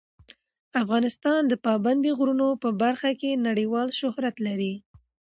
افغانستان د پابندي غرونو په برخه کې نړیوال شهرت لري.